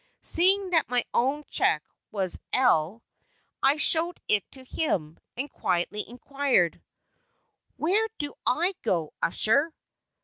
Seeing that my own check was "L," I showed it to him, and quietly inquired: "Where do I go to, usher?"